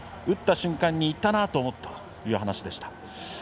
打った瞬間に、いったな！と思ったという話でした。